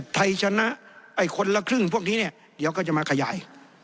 ไทยชนะไอ้คนละครึ่งพวกนี้เนี่ยเดี๋ยวก็จะมาขยาย